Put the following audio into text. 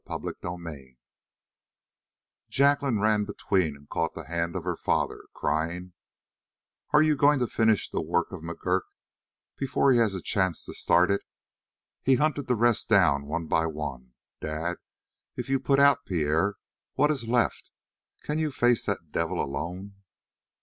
CHAPTER 24 Jacqueline ran between and caught the hand of her father, crying: "Are you going to finish the work of McGurk before he has a chance to start it? He hunted the rest down one by one. Dad, if you put out Pierre what is left? Can you face that devil alone?"